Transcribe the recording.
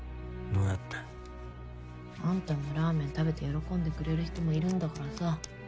どうやって？あんたのラーメン食べて喜んでくれる人もいるんだからさ。